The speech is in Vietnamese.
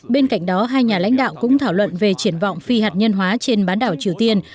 bên cạnh đó hai nhà lãnh đạo cũng thảo luận về triển vọng phi hạt nhân hóa trên bán đảo triều tiên